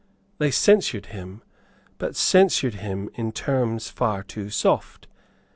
They censured him, but censured him in terms far too soft.